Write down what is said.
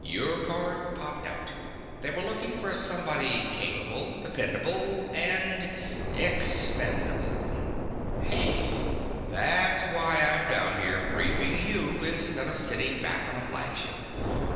Your card popped out. They were looking for somebody capable, dependable ... and ... expendable!" "Hey!" "That's why I'm down here briefing you instead of sitting back on a flagship.